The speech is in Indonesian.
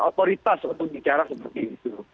otoritas untuk bicara seperti itu